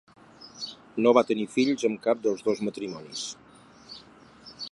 No va tenir fills amb cap dels dos matrimonis.